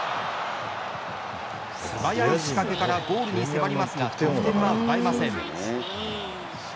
素早い仕掛けからゴールに迫りますが得点は奪えません。